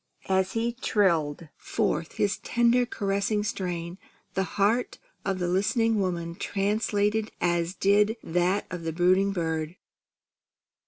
As he trilled forth his tender caressing strain, the heart of the listening woman translated as did that of the brooding bird.